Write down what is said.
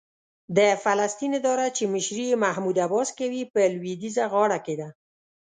د فلسطین اداره چې مشري یې محمود عباس کوي، په لوېدیځه غاړه کې ده.